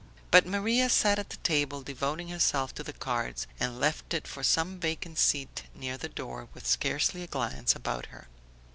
But Maria sat at the table devoting herself to the cards, and left it for some vacant seat near the door with scarcely a glance about her.